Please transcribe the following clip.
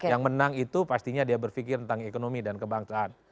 yang menang itu pastinya dia berpikir tentang ekonomi dan kebangsaan